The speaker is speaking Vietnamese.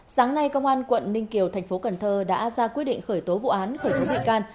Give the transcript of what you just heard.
sáng nay công an quận ninh kiều tp cn đã ra quyết định khởi tố vụ án khởi tố hệ can